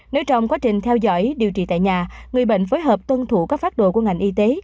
nếu trong quá trình theo dõi điều trị tại nhà người bệnh phối hợp tuân thủ các phát đồ của ngành y tế